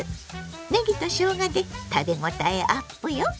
ねぎとしょうがで食べ応えアップよ。